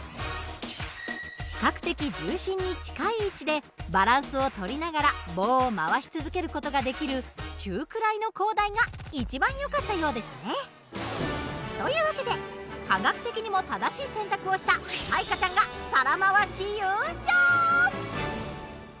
比較的重心に近い位置でバランスを取りながら棒を回し続ける事ができる中くらいの高台が一番よかったようですね。という訳で科学的にも正しい選択をした彩加ちゃんが皿まわし優勝！